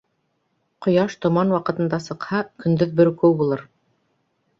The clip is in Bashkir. Ҡояш томан ваҡытында сыҡһа, көндөҙ бөркөү булыр.